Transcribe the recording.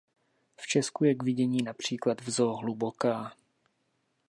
V Česku je k vidění například v zoo Hluboká.